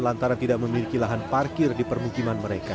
lantaran tidak memiliki lahan parkir di permukiman mereka